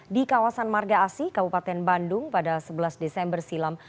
di kawasan marga asi kabupaten bandung pada sebelas desember silam